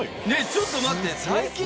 ちょっと待って。